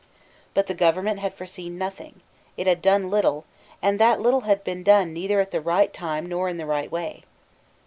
But the government had foreseen nothing: it had done little; and that little had been done neither at the right time nor in the right way.